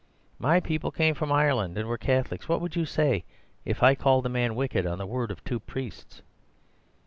My people came from Ireland, and were Catholics. What would you say if I called a man wicked on the word of two priests?"